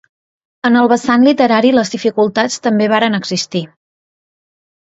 En el vessant literari, les dificultats també varen existir.